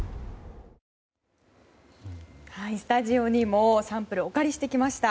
スタジオにもサンプルをお借りしてきました。